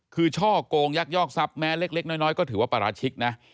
คือช่อกงยักยอกทรัพย์แม้เล็กน้อยก็ถือว่าปราชิกนะ